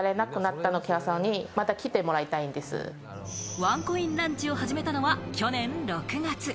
ワンコインランチを始めたのは去年６月。